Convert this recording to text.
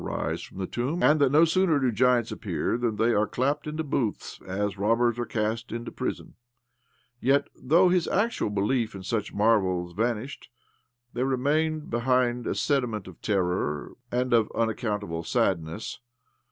rise from the tomb, and that no sooner do giants appear than they are clapped into bqoths, as robbers are cast into prison : yet, though his actual belief in such marvels vanished, there remained behind a sediment of terror and of unac countable sadness.